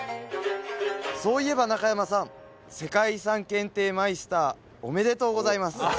そういえば中山さん世界遺産検定マイスターおめでとうございます！